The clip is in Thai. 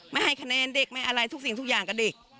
ไม่ให้คะแนนเด็กไม่อะไรทุกสิ่งทุกอย่างกับเด็ก